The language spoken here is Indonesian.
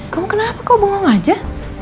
kamu kenapa kau bohong aja